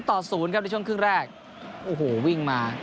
ต่อ๐ครับในช่วงครึ่งแรกโอ้โหวิ่งมา